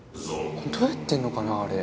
どうやってんのかなあれ。